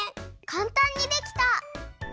かんたんにできた！